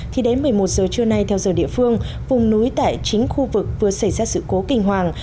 thì đến một mươi một giờ trưa nay theo giờ địa phương vùng núi tại chính khu vực vừa xảy ra sự cố kinh hoàng